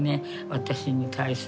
私に対するね。